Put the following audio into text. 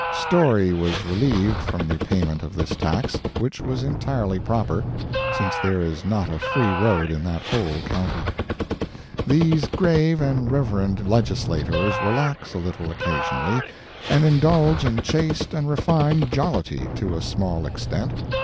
Storey was relieved from the payment of this tax, which was entirely proper, since there is not a free road in the whole county. These grave and reverend legislators relax a little occasionally, and indulge in chaste and refined jollity to a small extent.